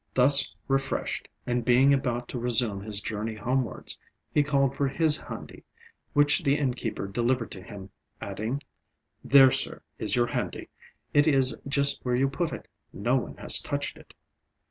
Thus refreshed, and being about to resume his journey homewards, he called for his handi, which the innkeeper delivered to him, adding "There, sir, is your handi; it is just where you put it; no one has touched it."